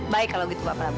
baik kalau gitu pak prabu